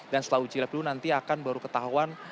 dan setelah uji lab dulu nanti akan baru ketahuan